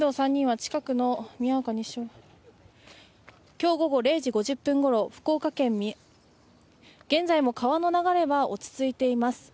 今日午後０時５０分ごろ、福岡県現在も川の流れは落ち着いています。